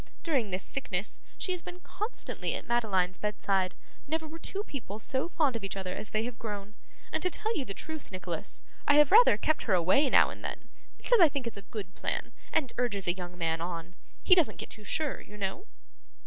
During this sickness, she has been constantly at Madeline's bedside never were two people so fond of each other as they have grown and to tell you the truth, Nicholas, I have rather kept her away now and then, because I think it's a good plan, and urges a young man on. He doesn't get too sure, you know.